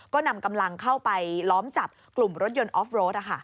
ก็นำกำลังเข้าไปล้อมจับกลุ่มรถยนต์ออฟโรด